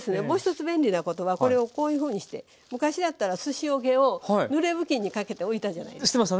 もう一つ便利なことはこれをこういうふうにして昔だったらすし桶をぬれ布巾にかけておいたじゃないですか。